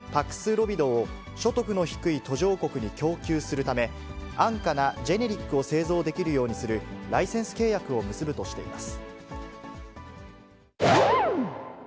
ファイザーは、パクスロビドを所得の低い途上国に供給するため、安価なジェネリックを製造できるようにするライセンス契約を結ぶとしています。